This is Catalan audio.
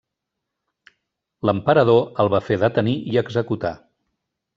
L'emperador el va fer detenir i executar.